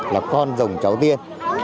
là con rồng cháu tiên